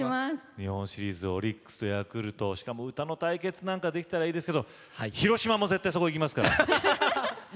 日本シリーズでオリックスとヤクルトしかも歌の対決なんかできたらいいですけど広島も絶対、そこいきますから！